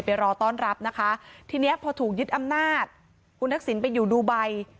รอต้อนรับนะคะทีนี้พอถูกยึดอำนาจคุณทักษิณไปอยู่ดูไบ